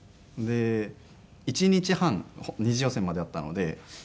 で１日半２次予選まであったので。